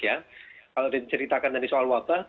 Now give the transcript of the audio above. kalau diceritakan tadi soal water